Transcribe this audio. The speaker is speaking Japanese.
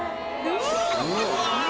うわ！